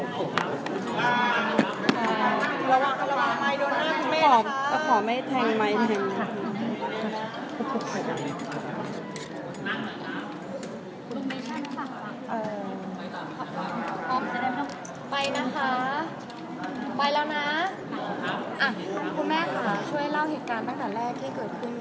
ช่วยเล่าเหตุการณ์ตั้งแต่แรกที่เกิดเหตุการณ์